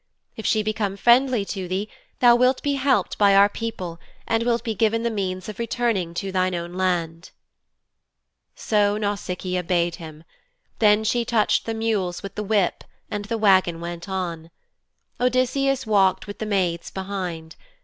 If she become friendly to thee thou wilt be helped by our people and wilt be given the means of returning to thine own land.' So Nausicaa bade him. Then she touched the mules with the whip and the wagon went on. Odysseus walked with the maids behind.